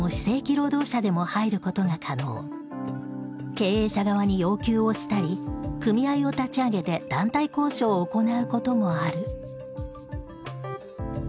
経営者側に要求をしたり組合を立ち上げて団体交渉を行うこともある。